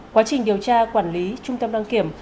quá trình điều tra quản lý trung tâm đăng kiểm